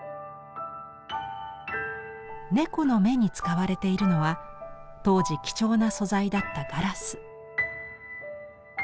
猫の目に使われているのは当時貴重な素材だったガラス。